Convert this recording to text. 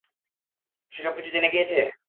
সে সবকিছু জেনে গিয়েছে?